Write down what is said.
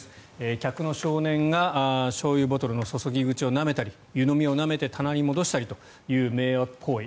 客の少年が、しょうゆボトルの注ぎ口をなめたり湯飲みをなめて棚に戻したりという迷惑行為。